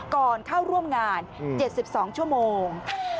ก่อนเข้าร่วมงาน๗๒ชั่วโมง